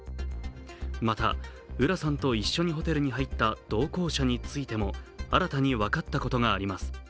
また、浦さんと一緒にホテルに入った同行者についても新たに分かったことがあります。